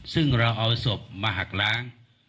ซึ่งเราเอาศพมาหักล้าง